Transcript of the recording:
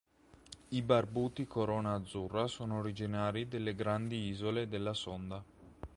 I barbuti corona azzurra sono originari delle Grandi Isole della Sonda.